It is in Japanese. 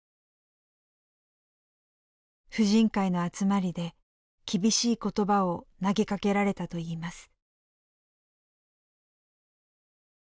婦人会の集まりで厳しい言葉を投げかけられたといいます。